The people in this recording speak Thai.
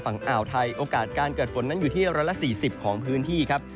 ฝั่งอ่าวไทยอวกาสการเกิดฝนนั้นอยู่ที่ร้อยละสี่สิบของพื้นที่ครับ